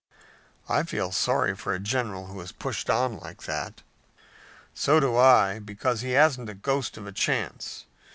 "I feel sorry for a general who is pushed on like that." "So do I, because he hasn't a ghost of a chance.